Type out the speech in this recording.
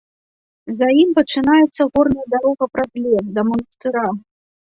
За ім пачынаецца горная дарога праз лес, да манастыра.